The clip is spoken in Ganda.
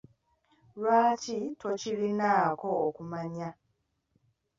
Lwaki tokirinaako kumanya?